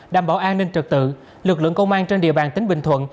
đảm bảo an ninh trật tự lực lượng công an trên địa bàn tỉnh bình thuận